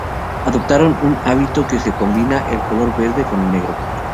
Adoptaron un hábito en que se combina el color verde con el negro.